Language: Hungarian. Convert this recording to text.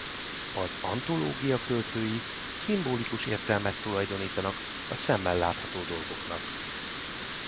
Az antológia költői szimbolikus értelmet tulajdonítanak a szemmel látható dolgoknak.